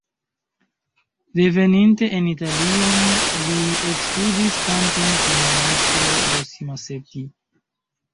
Reveninte en Italion li ekstudis kanton kun Majstro Rossi-Masetti.